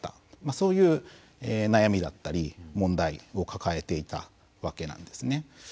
そういう悩みだったり問題を抱えていたわけなんですね。